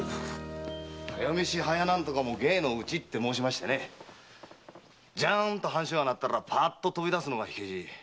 早飯早なんとかも芸の内と申しましてねジャンと半鐘が鳴ったらパッと飛び出すのが火消し。